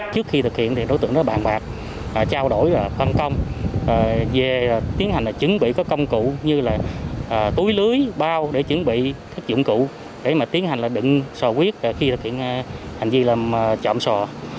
trước khi thực hiện thì đối tượng đã bàn bạc trao đổi phân công về tiến hành chuẩn bị các công cụ như là túi lưới bao để chuẩn bị các dụng cụ để mà tiến hành định sò quyết khi thực hiện hành vi làm trộm sò